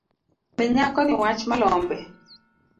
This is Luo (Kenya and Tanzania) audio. Mi nyakoni wach malombe